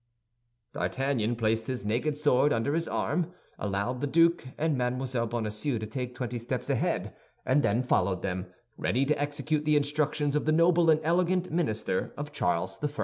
D'Artagnan placed his naked sword under his arm, allowed the duke and Mme. Bonacieux to take twenty steps ahead, and then followed them, ready to execute the instructions of the noble and elegant minister of Charles I.